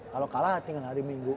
kalau kalah tinggal hari minggu